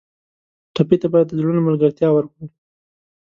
ټپي ته باید د زړونو ملګرتیا ورکړو.